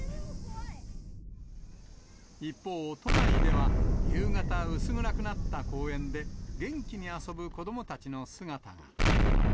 一方、都内では、夕方薄暗くなった公園で、元気に遊ぶ子どもたちの姿が。